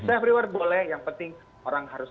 self rewards boleh yang penting orang harus